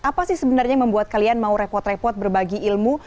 apa sih sebenarnya yang membuat kalian mau repot repot berbagi ilmu